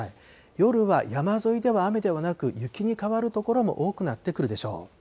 夜は山沿いでは雨ではなく雪に変わる所も多くなってくるでしょう。